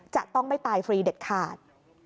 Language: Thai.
จะต้องไม่ตายฟรีเด็ดขาด